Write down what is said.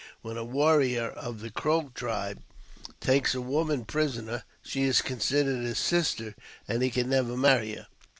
When a warrior (of the Crow tribe) takes a woman prisoner, she is considered his sister, j and he can never marry her.